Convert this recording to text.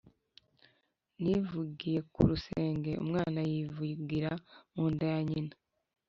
Nivugiye ku rusenge, umwana yivugira mu nda ya nyina